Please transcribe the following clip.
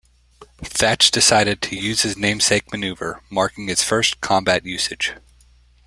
Thach decided to use his namesake maneuver, marking its first combat usage.